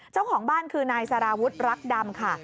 เจ้าของบ้านคือนายสารวุฒิรักดำค่ะ